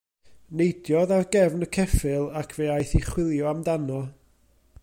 Neidiodd ar gefn y ceffyl, ac fe aeth i chwilio amdano.